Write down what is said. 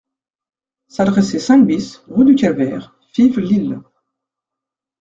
S'adresser cinq bis, rue du Calvaire, Fives-Lille.